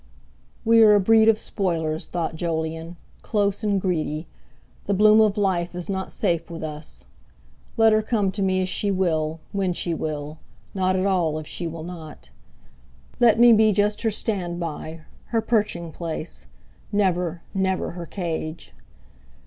"We are a breed of spoilers!" thought Jolyon, "close and greedy; the bloom of life is not safe with us. Let her come to me as she will, when she will, not at all if she will not. Let me be just her stand by, her perching place; never—never her cage!"